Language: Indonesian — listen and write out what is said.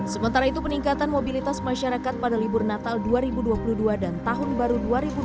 sementara itu peningkatan mobilitas masyarakat pada libur natal dua ribu dua puluh dua dan tahun baru dua ribu dua puluh